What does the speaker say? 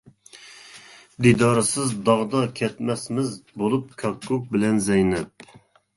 دىدارسىز داغدا كەتمەسمىز، بولۇپ كاككۇك بىلەن زەينەپ!